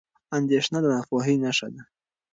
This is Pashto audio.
اندېښنه د ناپوهۍ نښه ده.